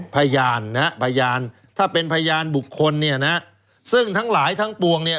พยานนะฮะพยานถ้าเป็นพยานบุคคลเนี่ยนะซึ่งทั้งหลายทั้งปวงเนี่ย